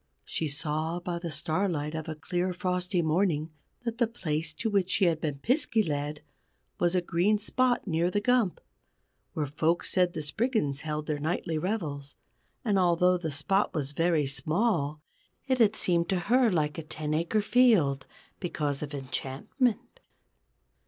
She saw, by the starlight of a clear frosty morning, that the place to which she had been Piskey led was a green spot near the Gump, where folks said the Spriggans held their nightly revels. And although the spot was very small, it had seemed to her like a ten acre field because of enchantment.